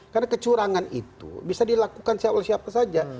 karena kecurangan itu bisa dilakukan siapa siapa saja